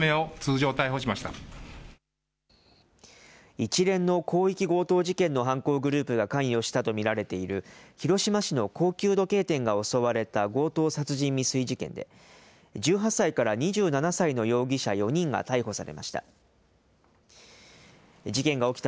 一連の広域強盗事件の犯行グループが関与したと見られている、広島市の高級時計店が襲われた強盗殺人未遂事件で、１８歳から２７歳の容疑者４人が逮捕されました。